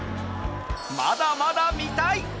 まだまだ見たい。